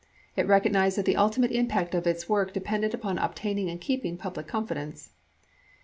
It recognized that the ultimate impact of its work depended upon obtaining and keeping public confidence.